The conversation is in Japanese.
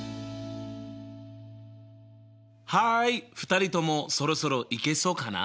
２人ともそろそろいけそうかな？